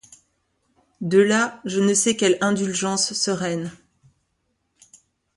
De là je ne sais quelle indulgence sereine.